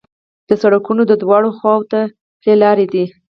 د سړکونو دواړو خواوو ته پلي لارې دي.